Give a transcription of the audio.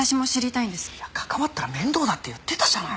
いや関わったら面倒だって言ってたじゃない。